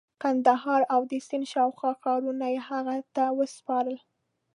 قندهار او د سند شاوخوا ښارونه یې هغه ته وسپارل.